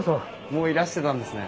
もういらしてたんですね。